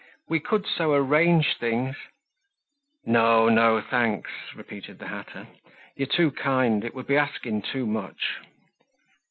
"We could so arrange things—" "No, no, thanks," repeated the hatter. "You're too kind; it would be asking too much."